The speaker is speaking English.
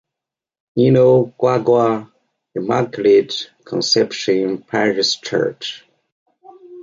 Nino, Guagua, Immaculate Conception Parish Church.